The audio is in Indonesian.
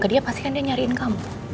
ke dia pasti dia nyariin kamu